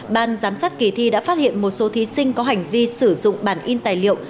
ban giám sát kỳ thi đã phát hiện một số thí sinh có hành vi sử dụng bản in tài liệu